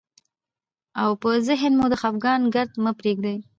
او په ذهن مو د خفګان ګرد مه پرېږدئ،